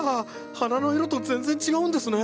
花の色と全然違うんですねえ。